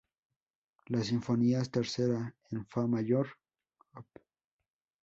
Las sinfonías Tercera en fa mayor op.